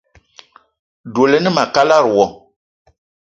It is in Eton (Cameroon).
Dwé a ne ma a kalada wo.